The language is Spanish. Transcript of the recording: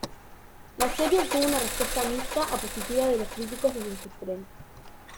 La serie obtuvo una respuesta mixta a positiva de los críticos desde su estreno.